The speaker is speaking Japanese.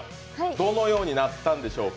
どのようになったんでしょうか。